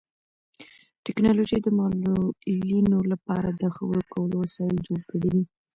ټیکنالوژي د معلولینو لپاره د خبرو کولو وسایل جوړ کړي دي.